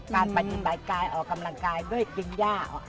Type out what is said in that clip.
การปฏิบัติกายออกกำลังกายด้วยกินย่า